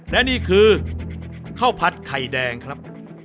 และนี่คือข้าวผัดไข่แดงครับ